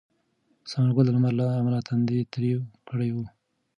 ثمر ګل د لمر له امله تندی تریو کړی و.